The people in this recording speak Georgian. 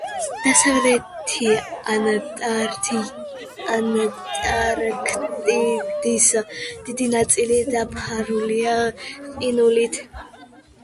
დასავლეთი ანტარქტიდის დიდი ნაწილი დაფარულია ყინულით.